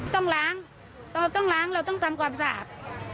ต้องล้างเราต้องล้างเราต้องทำความสะอาด